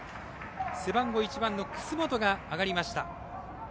背番号１番の楠本が上がりました。